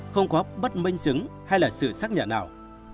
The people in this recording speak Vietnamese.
không có bất minh chứng hay là sự xác nhận nào